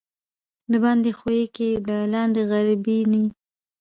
دباندي ښويکى، د لاندي غربينى.